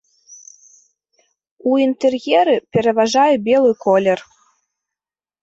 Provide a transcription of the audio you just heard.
У інтэр'еры пераважае белы колер.